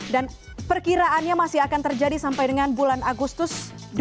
dan perkiraannya masih akan terjadi sampai dengan bulan agustus dua ribu delapan belas